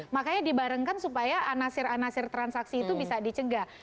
makanya dibarengkan supaya anasir anasir transaksi itu bisa dicegah